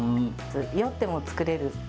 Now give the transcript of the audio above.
酔っても作れる。